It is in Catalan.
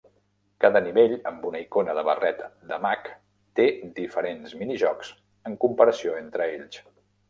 Cada nivell amb una icona de barret de mag té diferents mini-jocs en comparació entre ells.